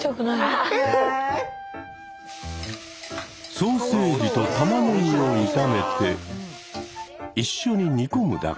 ソーセージとたまねぎを炒めて一緒に煮込むだけ。